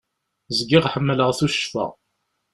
Zgiɣ ḥemmleɣ tuccfa.